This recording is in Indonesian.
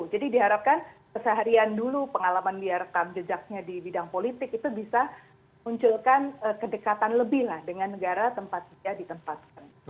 jadi diharapkan keseharian dulu pengalaman biarkan jejaknya di bidang politik itu bisa munculkan kedekatan lebih dengan negara tempatnya ditempatkan